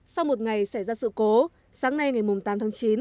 sau một ngày xảy ra sự cố sáng nay ngày tám tháng chín